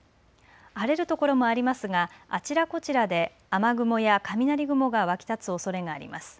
晴れるところもありますがあちらこちらで雨雲や雷雲が湧き立つおそれがあります。